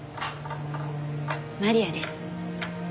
マリアです。